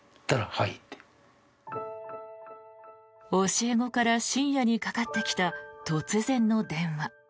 教え子から深夜にかかってきた突然の電話。